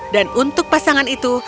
dan untuk pasangan itu